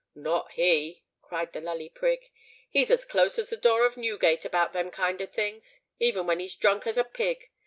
"Not he!" cried the Lully Prig: "he's as close as the door of Newgate about them kind of things, even when he's as drunk as a pig.